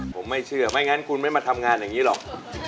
ผมไม่เชื่อไม่งั้นคุณไม่มาทำงานอย่างนี้หรอก